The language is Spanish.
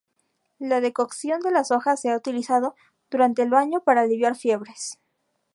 La decocción de las hojas se ha utilizado durante el baño para aliviar fiebres.